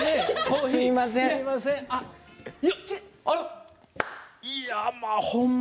すいません。